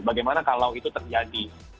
bagaimana kalau itu terjadi